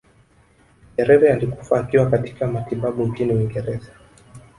nyerere alikufa akiwa katika matibabu nchini uingereza